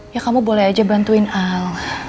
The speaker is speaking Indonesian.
ya kamu boleh aja bantuin al